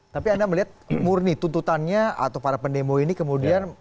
tapi anda melihat murni tuntutannya atau para pendemo ini kemudian